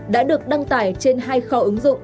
đã được đăng tải trên hai kho ứng dụng